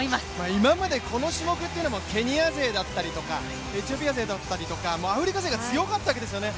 今までこの種目はケニア勢だとかエチオピア勢だったりとか、アフリカ勢が強かったわけですよね。